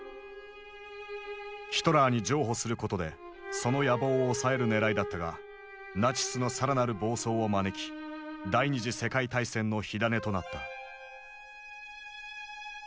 ヒトラーに譲歩することでその野望を抑えるねらいだったがナチスの更なる暴走を招き第二次世界大戦の火種となった。